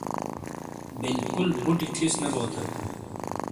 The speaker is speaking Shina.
بلکل بُٹی ٹھِیس نے بو تھن۔